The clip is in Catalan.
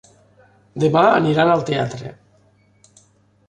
Demà aniran al teatre.